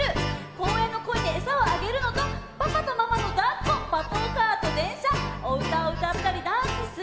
「公園のコイにエサをあげるのとパパとママの抱っこ」「パトカーと電車」「おうたをうたったりダンスする」